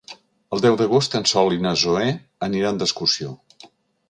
El deu d'agost en Sol i na Zoè aniran d'excursió.